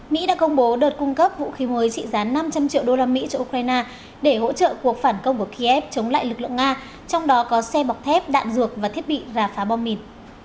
mỹ đã công bố đợt cung cấp vũ khí mới trị gián năm trăm linh triệu usd cho ukraine để hỗ trợ cuộc phản công của kiev chống lại lực lượng nga trong đó có xe bọc thép đạn ruột và thiết bị rà phá bom mìn